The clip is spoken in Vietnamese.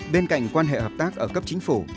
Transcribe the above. bên cạnh quan hệ hợp tác ở cấp chính phủ